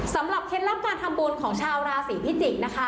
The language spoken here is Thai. เคล็ดลับการทำบุญของชาวราศีพิจิกษ์นะคะ